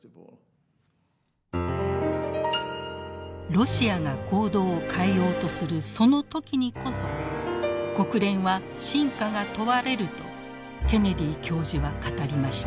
ロシアが行動を変えようとするその時にこそ国連は真価が問われるとケネディ教授は語りました。